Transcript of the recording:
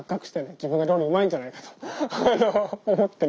自分は料理うまいんじゃないかと思ってね。